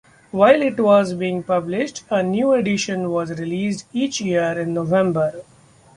While it was being published, a new edition was released each year in November.